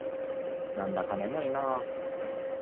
なんだか眠いな。